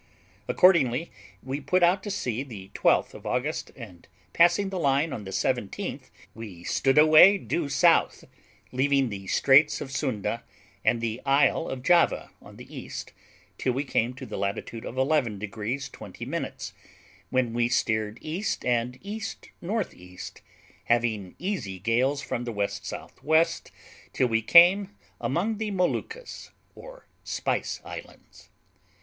Accordingly, we put out to sea the 12th of August, and passing the line on the 17th, we stood away due south, leaving the Straits of Sunda and the isle of Java on the east, till we came to the latitude of eleven degrees twenty minutes, when we steered east and E.N.E., having easy gales from the W.S.W. till we came among the Moluccas, or Spice Islands.